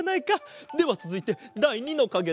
ではつづいてだい２のかげだ。